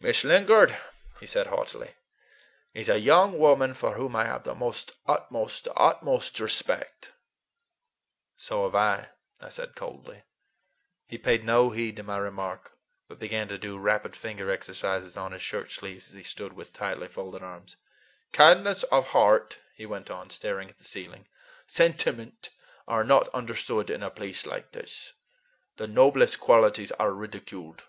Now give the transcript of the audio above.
"Miss Lingard," he said haughtily, "is a young woman for whom I have the utmost, the utmost respect." "So have I," I said coldly. He paid no heed to my remark, but began to do rapid finger exercises on his shirt sleeves, as he stood with tightly folded arms. "Kindness of heart," he went on, staring at the ceiling, "sentiment, are not understood in a place like this. The noblest qualities are ridiculed.